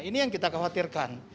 ini yang kita khawatirkan